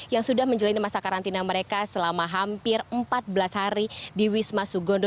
yang sudah menjalani masa karantina mereka selama hampir empat belas hari di wisma sugondo